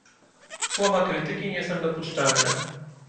"Słowa krytyki nie są dopuszczalne."